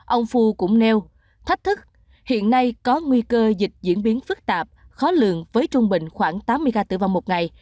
ông phu cũng nêu thách thức hiện nay có nguy cơ dịch diễn biến phức tạp khó lường với trung bình khoảng tám mươi ca tử vong một ngày